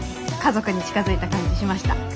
家族に近づいた感じしました。